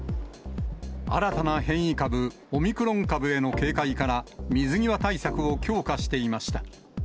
新たな変異株、オミクロン株への警戒から、水際対策を強化していました。